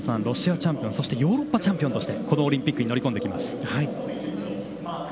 ロシアチャンピオンそしてヨーロッパチャンピオンとしてオリンピックに乗り込んできます。